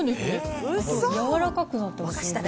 やわらかくなってます。